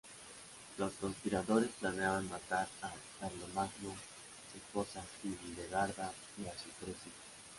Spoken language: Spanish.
Los conspiradores planeaban matar a Carlomagno, su esposa Hildegarda y a sus tres hijos.